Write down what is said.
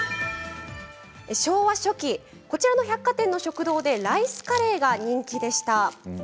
昭和初期、こちらの百貨店の食堂でライスカレーが人気でした。